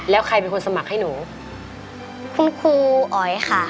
แล้วใครเป็นคนสมัครให้หนูคุณครูอ๋อยค่ะ